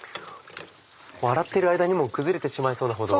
洗っている間にも崩れてしまいそうなほど。